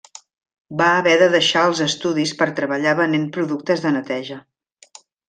Va haver de deixar els estudis per treballar venent productes de neteja.